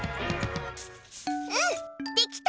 うん、できた！